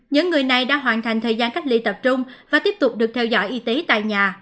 những người này đã hoàn thành thời gian cách ly tập trung và tiếp tục được theo dõi y tế tại nhà